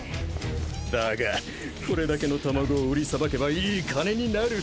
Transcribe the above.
だがこれだけの卵を売りさばけばいい金になる。